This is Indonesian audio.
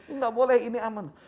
enggak boleh ini aman